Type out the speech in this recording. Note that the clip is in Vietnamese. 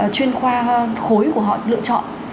chuyên khoa khối của họ lựa chọn